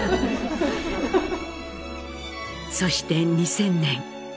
そして２０００年。